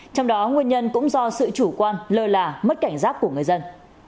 trong đó nguyên nhân cũng do sự chủ quan lơ là mất cảnh giác của người dân